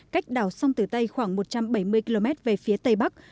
cách đảo sông tử tây khoảng một trăm bảy mươi km về phía tây bắc